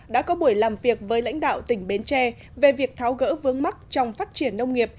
đã có buổi làm việc với lãnh đạo tỉnh bến tre về việc tháo gỡ vướng mắt trong phát triển nông nghiệp